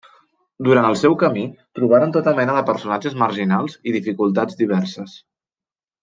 Durant el seu camí trobaran tota mena de personatges marginals i dificultats diverses.